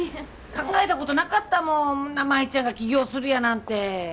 考えたことなかったもん舞ちゃんが起業するやなんて。